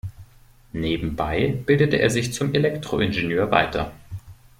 Nebenbei bildete er sich zum Elektroingenieur weiter.